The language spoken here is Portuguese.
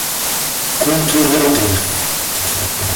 controverter